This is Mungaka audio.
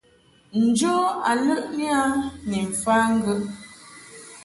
Njo a ləʼni a ni mfa ŋgəʼ.